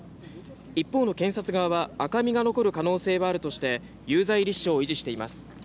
一方の検察側は赤みが残る可能性はあるとして有罪立証を維持しています。